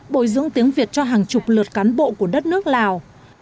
bồi dưỡng tiếng việt cho hàng chục lượt cán bộ của đất nước lào